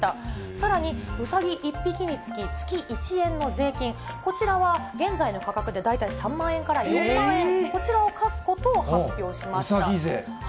さらに、うさぎ１匹につき、月１円の税金、こちらは現在の価格で大体３万円から４万円、こちらを課すことをうさぎ税？